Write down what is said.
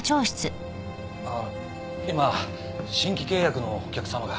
あっ今新規契約のお客様が。